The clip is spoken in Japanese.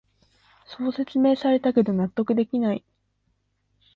そう説明されたけど納得できない